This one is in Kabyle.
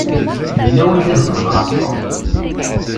Yella win i d-iẓeḍmen ɣef Tom.